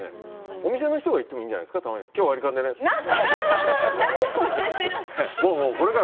お店の人が言ってもいいんじゃないんですか。